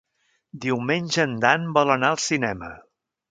Diumenge en Dan vol anar al cinema.